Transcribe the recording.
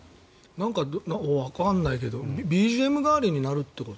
なんかわかんないけどＢＧＭ代わりになるってこと？